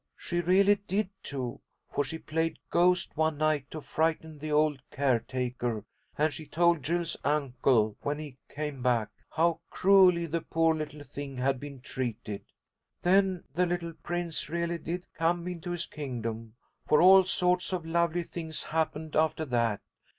She really did, too, for she played ghost one night to frighten the old care taker, and she told Jules's uncle, when he came back, how cruelly the poor little thing had been treated. "Then the little prince really did come into his kingdom, for all sorts of lovely things happened after that.